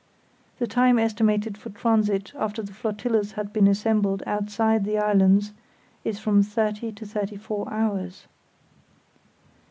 The time estimated for transit after the flotillas had been assembled outside the islands is from thirty to thirty four hours.